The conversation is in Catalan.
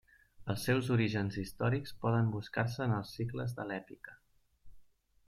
Els seus orígens històrics poden buscar-se en els cicles de l'èpica.